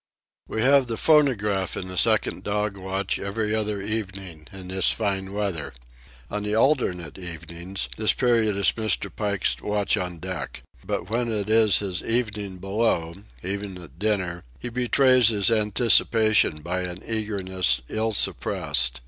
We have the phonograph in the second dog watch every other evening in this fine weather. On the alternate evenings this period is Mr. Pike's watch on deck. But when it is his evening below, even at dinner, he betrays his anticipation by an eagerness ill suppressed.